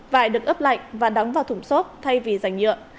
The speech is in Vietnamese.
vải được ướp lạnh và đóng vào thủng xốp thay vì giành nhựa